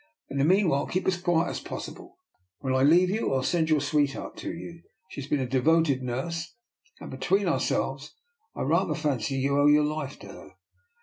In the meanwhile keep as quiet as possible. When I lefave you, I'll send your sweetheart to you; ishe has been a devoted nurse, and between cour selves I rather fancy you owe your lifet to her."